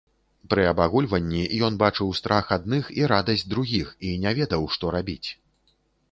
Пры абагульванні ён бачыў страх адных і радасць другіх і не ведаў, што рабіць.